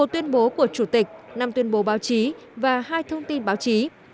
một tuyên bố của chủ tịch năm tuyên bố báo chí và hai thông tin báo chí